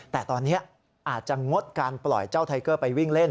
แต่ตอนนี้อาจจะงดการปล่อยเจ้าไทเกอร์ไปวิ่งเล่น